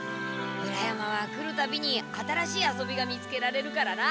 裏山は来るたびに新しい遊びが見つけられるからな。